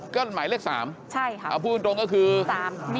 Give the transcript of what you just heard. ก็หมายเลข๓ค่ะพูดตรงก็คือ๓นิ้ว